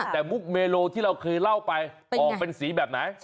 แต่มุกเมโลที่เราเคยเล่าไปออกเป็นสีแบบไหน